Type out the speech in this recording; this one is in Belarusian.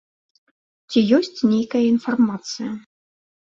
Ці ёсць нейкая інфармацыя?